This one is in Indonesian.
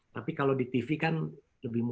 tapi kalau di tv kan lebih mudah